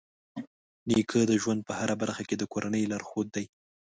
نیکه د ژوند په هره برخه کې د کورنۍ لارښود دی.